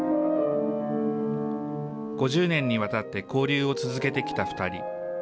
５０年にわたって交流を続けてきた２人。